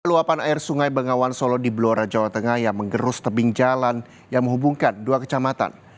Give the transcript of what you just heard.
luapan air sungai bengawan solo di blora jawa tengah yang mengerus tebing jalan yang menghubungkan dua kecamatan